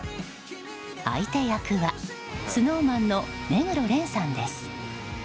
相手役はＳｎｏｗＭａｎの目黒蓮さんです。